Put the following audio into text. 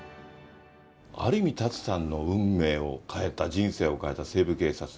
ある意味、舘さんの運命を変えた、人生を変えた西部警察。